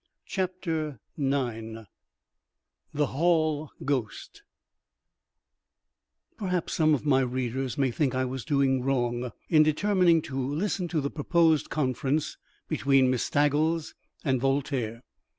CHAPTER IX THE HALL GHOST Perhaps some of my readers may think I was doing wrong in determining to listen to the proposed conference between Miss Staggles and Voltaire.